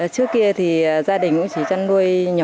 trước kia thì gia đình cũng chỉ chăn nuôi nhỏ